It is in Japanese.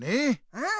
うん！